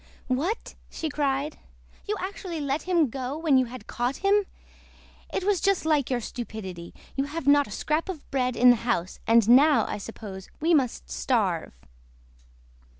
"What!" she cried, "you actually let him go when you had caught him? It was just like your stupidity. We have not a scrap of bread in the house, and now, I suppose, we must starve!"